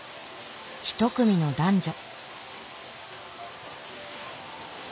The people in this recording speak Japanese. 一組の男女。